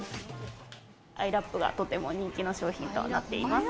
アイラップがとても人気の商品となっています。